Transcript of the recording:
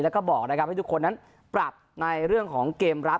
แล้วก็บอกนะครับให้ทุกคนนั้นปรับในเรื่องของเกมรับ